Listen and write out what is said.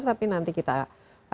tapi nanti kita akan lanjutkan